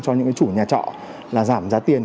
cho những chủ nhà trọ là giảm giá tiền